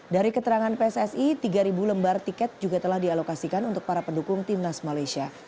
dari keterangan pssi tiga lembar tiket juga telah dialokasikan untuk para pendukung timnas malaysia